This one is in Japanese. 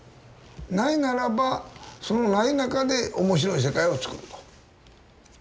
ないならばそのない中で面白い世界をつくると。